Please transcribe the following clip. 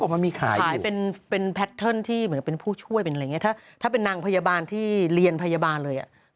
ขายเป็นแพทเทิร์นที่เหมือนเป็นผู้ช่วยถ้าเป็นนางพยาบาลที่เรียนพยาบาลเลย